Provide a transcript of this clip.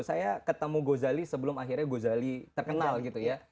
saya ketemu gozali sebelum akhirnya gozali terkenal gitu ya